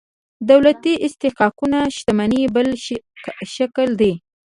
دولتي استحقاقونه شتمنۍ بل شکل دي.